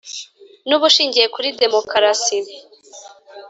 N ubushingiye kuri demokarasi